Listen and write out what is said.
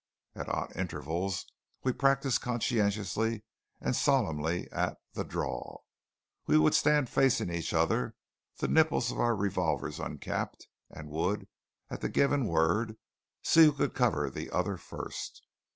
At odd intervals we practised conscientiously and solemnly at the "draw." We would stand facing each other, the nipples of our revolvers uncapped, and would, at the given word, see who could cover the other first.